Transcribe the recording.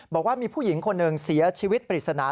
บอกว่ามีผู้หญิงคนหนึ่งเสียชีวิตปริศนา